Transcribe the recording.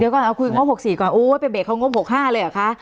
เดี๋ยวก่อนเอาคุยกับงบ๖๔ก่อนโอ้โหเป็นเบสเขาง่วม๖๕เลยหรอคะ